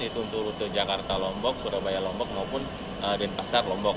itu untuk rute jakarta lombok surabaya lombok maupun denpasar lombok